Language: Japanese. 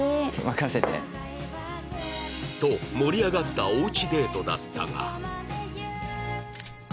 と盛り上がったおうちデートだったが